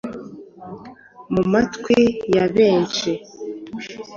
Mu matwi ya benshi,